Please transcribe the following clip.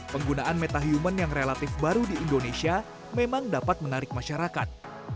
penggunaan metahuman yang relatif baru di indonesia memang dapat menarik masyarakat